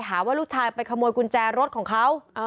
หาว่าลูกชายไปขโมยกุญแจรถของเขา